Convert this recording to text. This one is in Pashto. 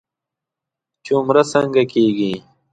چې عمره څنګه کېږي.